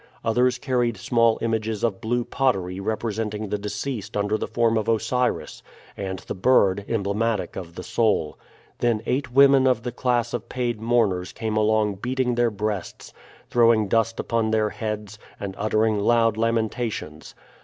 Others carried small images of blue pottery representing the deceased under the form of Osiris, and the bird emblematic of the soul. Then eight women of the class of paid mourners came along beating their breasts, throwing dust upon their heads, and uttering loud lamentations.